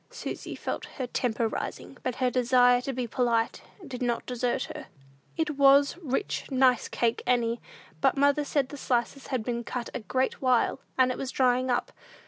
Susy felt her temper rising, but her desire to be polite did not desert her. "It was rich, nice cake, Annie; but mother said the slices had been cut a great while, and it was drying up.